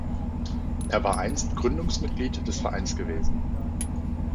Er war einst Gründungsmitglied des Vereins gewesen.